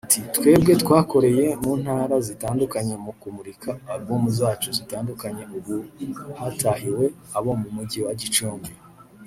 Ati “Twebwe twakoreye mu ntara zitandukanye mu kumurika album zacu zitandukanye ubu hatahiwe abo mu Mujyi wa Gicumbi